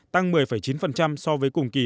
tăng một mươi chín so với cùng kỳ